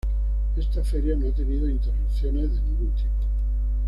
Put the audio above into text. Esta feria no ha tenido interrupciones de ningún tipo.